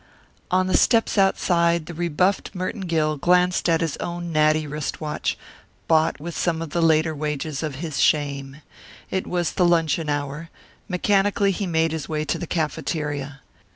On the steps outside the rebuffed Merton Gill glanced at his own natty wrist watch, bought with some of the later wages of his shame. It was the luncheon hour; mechanically he made his way to the cafeteria.